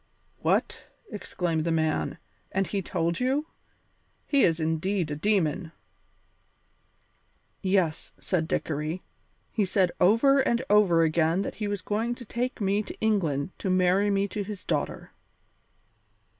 "What!" exclaimed the man, "and he told you? He is indeed a demon!" "Yes," said Dickory, "he said over and over again that he was going to take me to England to marry me to his daughter."